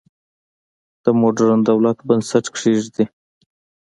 د موډرن دولت بنسټ کېږدي.